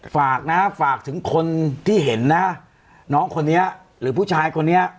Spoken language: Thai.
ฝากนะฝากถึงคนที่เห็นนะน้องคนนี้หรือผู้ชายคนนี้